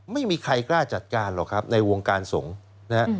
ไม่มีใครกล้าจัดการหรอกครับในวงการสงฆ์นะฮะ